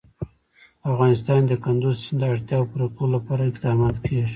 په افغانستان کې د کندز سیند د اړتیاوو پوره کولو لپاره اقدامات کېږي.